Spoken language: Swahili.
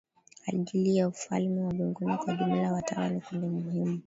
ajili ya ufalme wa mbinguni Kwa jumla watawa ni kundi muhimu